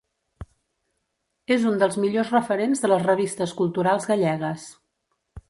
És un dels millors referents de les revistes culturals gallegues.